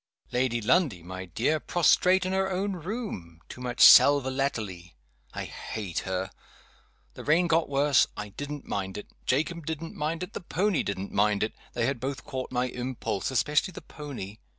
Lady Lundie, my dear, prostrate in her own room too much sal volatile. I hate her. The rain got worse. I didn't mind it. Jacob didn't mind it. The pony didn't mind it. They had both caught my impulse especially the pony.